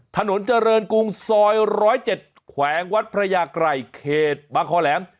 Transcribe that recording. ถนนเจริญกรุงซอย๑๐๗แขวงวัดพระยากรัยเขตบางคอแหลม